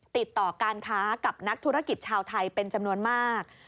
ติดต่อการค้ากับนักธุรกิจชาวไทยเป็นจำนวนมาก